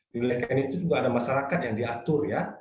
di wilayah itu juga ada masyarakat yang diatur ya